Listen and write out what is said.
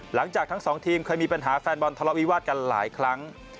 หลังจากทั้งสองทีมเคยมีปัญหาแฟนบอลทะเลาะวิวาสกันหลายครั้ง